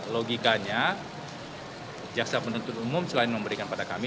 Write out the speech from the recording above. logikanya jaksa penuntut umum selain memberikan pada kami